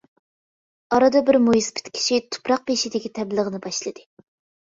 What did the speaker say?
ئارىدا بىر مويسىپىت كىشى تۇپراق بېشىدىكى تەبلىغنى باشلىدى.